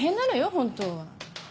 本当は。